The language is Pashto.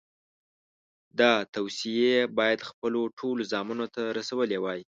دا توصیې یې باید خپلو ټولو زامنو ته رسولې وای.